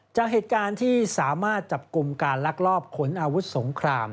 จากเหตุการณ์ที่สามารถจับกลุ่มการลักลอบขนอาวุธสงคราม